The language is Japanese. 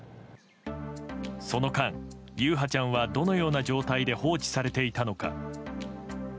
その間、優陽ちゃんはどのような状態で放置されていたのか。